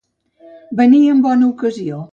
Venir en bona ocasió.